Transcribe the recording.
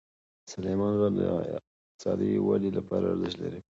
سلیمان غر د اقتصادي ودې لپاره ارزښت لري.